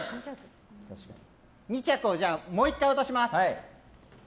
２着をもう１回落とします。